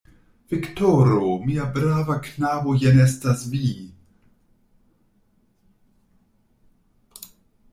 Viktoro! mia brava knabo, jen estas vi!